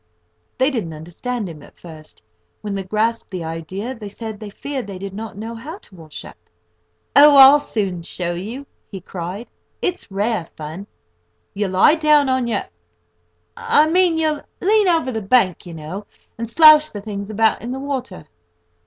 They didn't understand him at first. When they grasped the idea, they said they feared they did not know how to wash up. "Oh, I'll soon show you," he cried; "it's rare fun! You lie down on your—I mean you lean over the bank, you know, and sloush the things about in the water."